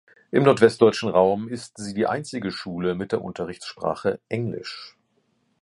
Im nordwestdeutschen Raum ist sie die einzige Schule mit der Unterrichtssprache Englisch.